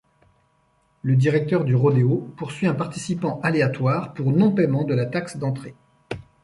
Le directeur du rodéo poursuit un participant aléatoire pour non-paiement de la taxe d'entrée.